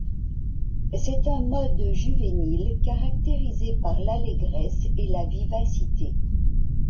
C'est un mode juvénile caractérisé par l'allégresse et la vivacité.